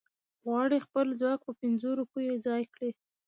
غواړي خپل ځواک په پنځو روپو ځای کړي.